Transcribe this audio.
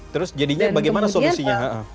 terus jadinya bagaimana solusinya